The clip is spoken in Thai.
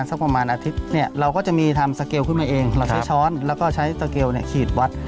สักประมาณอาทิตย์เนี่ยเราก็จะมีทำสเกลขึ้นมาเองเราใช้ช้อนแล้วก็ใช้สเกลเนี่ยขีดวัด